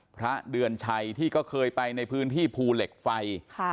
พระเดือนชัยที่ก็เคยไปในพื้นที่ภูเหล็กไฟ